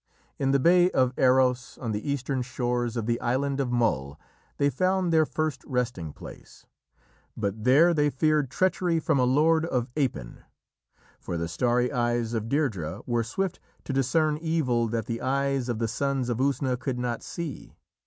In the bay of Aros, on the eastern shores of the island of Mull, they found their first resting place, but there they feared treachery from a lord of Appin. For the starry eyes of Deirdrê were swift to discern evil that the eyes of the Sons of Usna could not see.